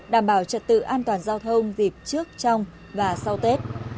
đảm bảo trật tự an toàn giao thông dịp trước trong và sau tết